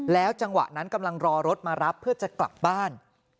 จังหวะนั้นกำลังรอรถมารับเพื่อจะกลับบ้าน